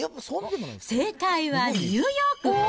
正解はニューヨーク。